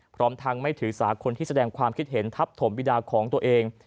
พร้อมทั้งไม่ถือสาคนที่แสดงความคิดเห็นทับถมบิดาของตัวเอง